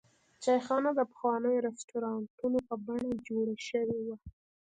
چایخانه د پخوانیو رسټورانټونو په بڼه جوړه شوې وه.